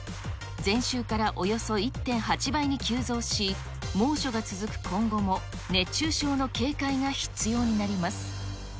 前週からおよそ１．８倍に急増し、猛暑が続く今後も熱中症の警戒が必要になります。